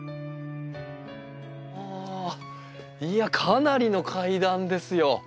いやかなりの階段ですよ。